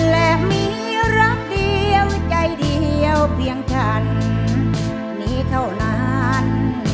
และมีรักเดียวใจเดียวเพียงฉันนี้เท่านั้น